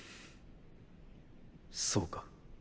そうか。